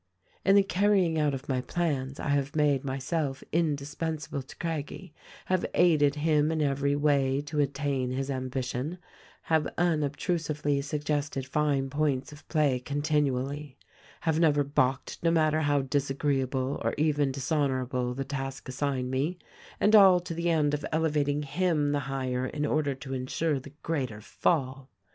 "In the carrying out of my plans I have made myself indispensable to Craggie, have aided him in every way to attain his ambition, have unobtrusively suggested fine points of play continually, have never balked no matter how disagreeable or even dishonorable the task assigned me — and all to the end of elevating him the higher in order to insure the greater fall.